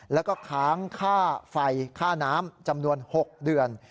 แล้วก็ค้างค่าไฟค่าน้ำจำนวน๖เดือน